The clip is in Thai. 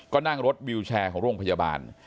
ก็นั่งรถวิวแชร์ของโรงพยาบาล